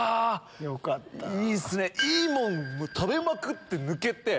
いいもん食べまくって抜けて。